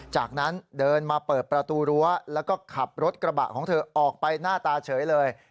จากนั้นเดินมาเปิดประตูรั้วแล้วก็ขับรถกระบะของเธอออกไปหน้าตาเฉยเลย